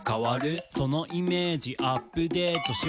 「そのイメージアップデートしよう」